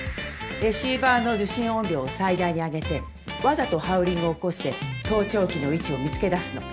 レシーバーの受信音量を最大に上げてわざとハウリングを起こして盗聴器の位置を見つけ出すの。